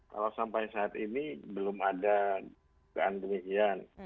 kalau sampai saat ini belum ada keandungan